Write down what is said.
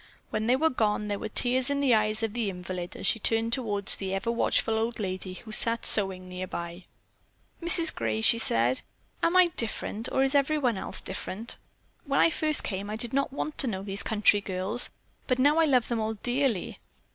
When they were gone, there were tears in the eyes of the invalid as she turned toward the ever watchful old lady who sat sewing nearby. "Mrs. Gray," she said, "am I different or is everyone else different? When I first came I did not want to know these country girls, but now I love them all dearly."